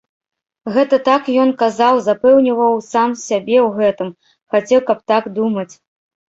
Гэта так ён казаў, запэўніваў сам сябе ў гэтым, хацеў, каб так думаць.